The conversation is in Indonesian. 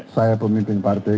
saya pemimpin partai